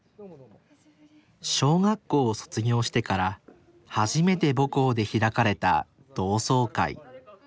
小学校を卒業してから初めて母校で開かれた同窓会